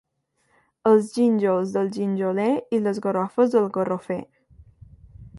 Els gínjols del ginjoler i les garrofes del garrofer.